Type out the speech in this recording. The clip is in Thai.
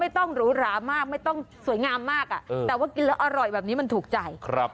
ต้องสวยงามมากอ่ะแต่ว่ากินแล้วอร่อยแบบนี้มันถูกใจ